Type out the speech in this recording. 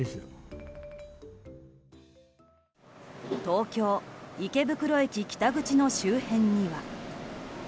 東京・池袋駅北口の周辺には。